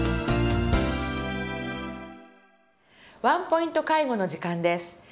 「ワンポイント介護」の時間です。